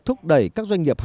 tôi đã đọc cho ông ấy rồi